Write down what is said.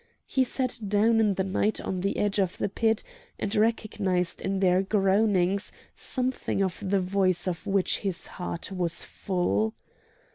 He sat down in the night on the edge of the pit, and recognised in their groanings something of the voice of which his heart was full.